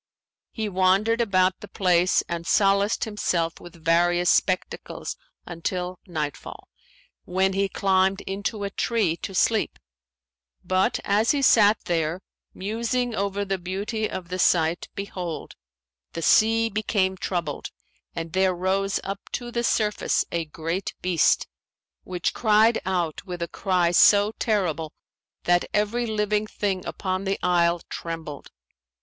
He wandered about the place and solaced him with various spectacles until nightfall, when he climbed into a tree to sleep; but as he sat there, musing over the beauty of the site, behold, the sea became troubled and there rose up to the surface a great beast, which cried out with a cry so terrible that every living thing upon the isle trembled.